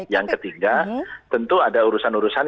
yang ketiga tentu ada urusan urusan